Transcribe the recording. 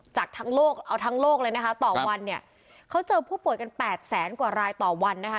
จากทั้งโลกเอาทั้งโลกเลยนะคะต่อวันเนี่ยเขาเจอผู้ป่วยกันแปดแสนกว่ารายต่อวันนะคะ